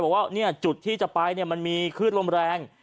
บอกว่าเนี่ยจุดที่จะไปเนี่ยมันมีขึ้นลมแรง